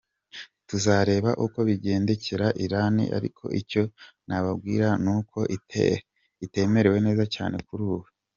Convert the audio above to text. "Tuzareba uko bigendekera Iran, ariko icyo nababwira ni uko itamerewe neza cyane kuri ubu".